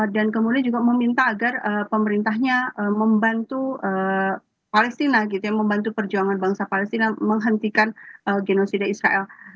dan kemudian juga meminta agar pemerintahnya membantu palestina gitu ya membantu perjuangan bangsa palestina menghentikan genosida israel